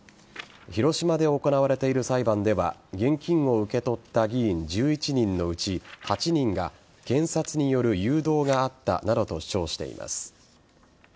広島で行われている裁判では現金を受け取った議員１１人のうち８人が、検察による誘導があったなどと主張しています。